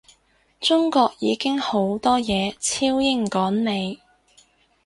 中國已經好多嘢超英趕美